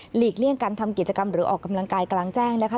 เลี่ยงการทำกิจกรรมหรือออกกำลังกายกลางแจ้งนะคะ